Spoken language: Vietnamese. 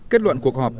kết luận cuộc họp